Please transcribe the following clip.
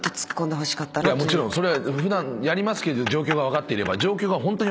もちろん普段やりますけど状況が分かっていれば。